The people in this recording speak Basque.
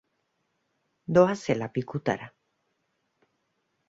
Doazela pikutara!